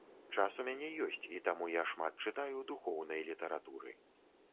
Час у мяне ёсць, і таму я шмат чытаю духоўнай літаратуры.